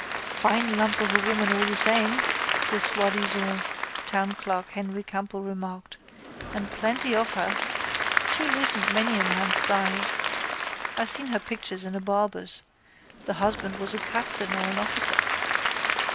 —Fine lump of a woman all the same, the soi disant townclerk Henry Campbell remarked, and plenty of her. She loosened many a man's thighs. I seen her picture in a barber's. The husband was a captain or an officer.